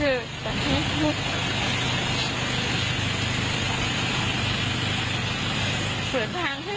แม่มาเรียกหนูกลับบ้านต้องออกมาด้วย